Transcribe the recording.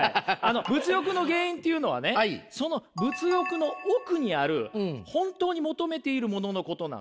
物欲の原因っていうのはねその物欲の奥にある本当に求めているもののことなんですよ。